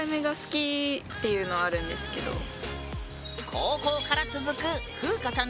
高校から続く風佳ちゃん